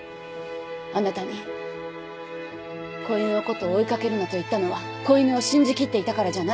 あなたに子犬のことを追い掛けるなと言ったのは子犬を信じきっていたからじゃない。